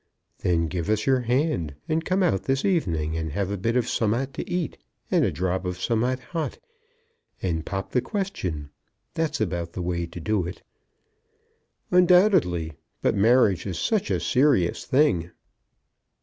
"Then give us your hand, and come out this evening and have a bit of some'at to eat and a drop of some'at hot, and pop the question. That's about the way to do it." "Undoubtedly; but marriage is such a serious thing!"